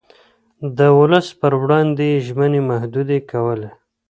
د ولس پر وړاندې يې ژمنې محدودې کولې.